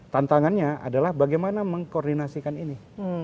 tantangannya adalah bagaimana mengkoordinasikan ini